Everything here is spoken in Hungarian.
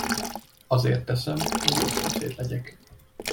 Azért teszem, hogy jó szomszéd legyek.